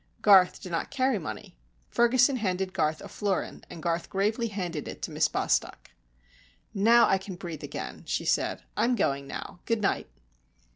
Garth did not carry money. Ferguson handed Garth a florin, and Garth gravely handed it to Miss Bostock. "Now I can breathe again," she said. "I am going now. Good night."